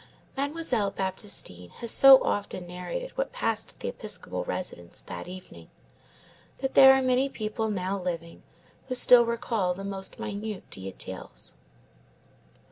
Mademoiselle Baptistine has so often narrated what passed at the episcopal residence that evening, that there are many people now living who still recall the most minute details.